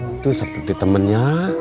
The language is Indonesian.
itu seperti temennya